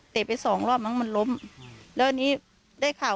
ไปสองรอบมั้งมันล้มแล้วอันนี้ได้ข่าว